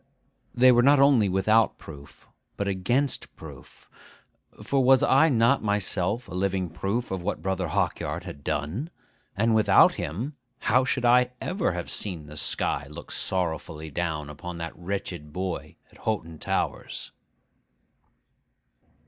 They were not only without proof, but against proof; for was I not myself a living proof of what Brother Hawkyard had done? and without him, how should I ever have seen the sky look sorrowfully down upon that wretched boy at Hoghton Towers?